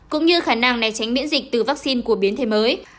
cũng như khả năng này tránh miễn dịch từ vaccine của biến thể mới